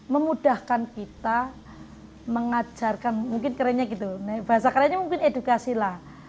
memudahkan kita mengajarkan mungkin kerennya gitu bahasa kerennya mungkin edukasi lah